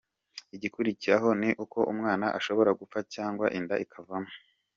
Igikurikiraho ni uko umwana ashobora gupfa cyangwa inda ikavamo.